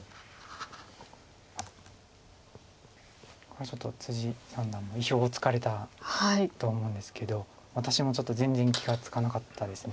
これはちょっと三段も意表をつかれたと思うんですけど私もちょっと全然気が付かなかったです。